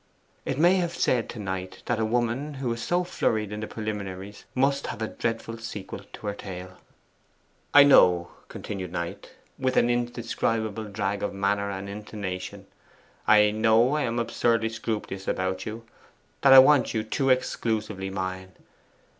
It may have said to Knight that a woman who was so flurried in the preliminaries must have a dreadful sequel to her tale. 'I know,' continued Knight, with an indescribable drag of manner and intonation, 'I know I am absurdly scrupulous about you that I want you too exclusively mine.